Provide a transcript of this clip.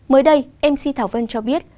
mới đây mc thảo vân cho biết